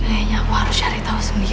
kayaknya aku harus cari tahu sendiri